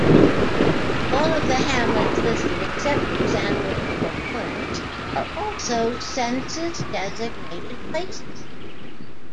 All of the hamlets listed, except for Sanfords Four Corners, are also census-designated places.